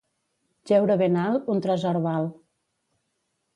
Jeure ben alt un tresor val.